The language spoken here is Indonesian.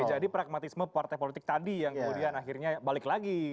pragmatisme partai politik tadi yang kemudian akhirnya balik lagi